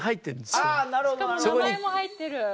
しかも名前も入ってる。